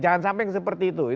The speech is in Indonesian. jangan sampai seperti itu